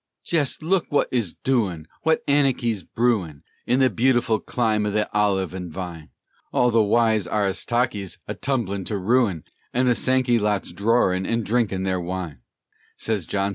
"Jest look wut is doin', wut annyky's brewin' In the beautiful clime o' the olive an' vine, All the wise aristoxy's atumblin' to ruin, An' the sankylot's drorin' an' drinkin' their wine," Sez John C.